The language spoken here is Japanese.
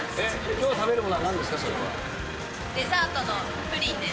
きょう食べるものはなんですデザートのプリンです。